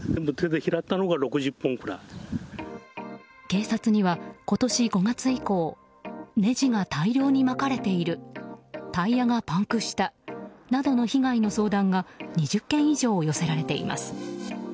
警察には今年５月以降ネジが大量にまかれているタイヤがパンクしたなどの被害の相談が２０件以上寄せられています。